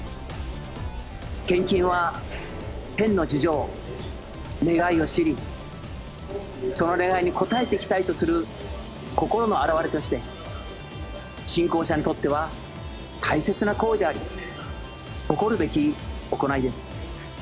献金は天の事情、願いを知り、その願いに応えていきたいとする心の表れとして、信仰者にとっては大切な行為であり、誇るべき行いです。